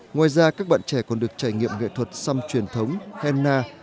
ngoài ra các bạn trẻ còn được trải nghiệm nghệ thuật xăm truyền thống hanna